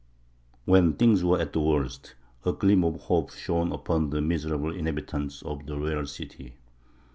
When things were at the worst, a gleam of hope shone upon the miserable inhabitants of the royal city.